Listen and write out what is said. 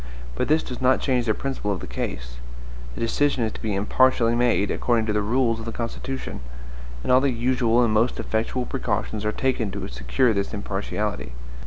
But this does not change the principle of the case. The decision is to be impartially made, according to the rules of the Constitution; and all the usual and most effectual precautions are taken to secure this impartiality.